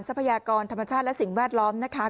พยากรธรรมชาติและสิ่งแวดล้อมนะคะ